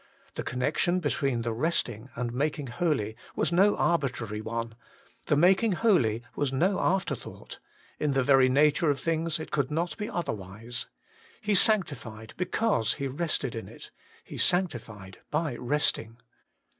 The connection between the resting and making holy was no arbitrary one ; the making holy was no after thought ; in the very nature of things it could not be otherwise : He sanctified because He rested in it ; He sanctified by resting.